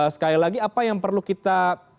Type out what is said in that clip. sekali lagi apa yang perlu kita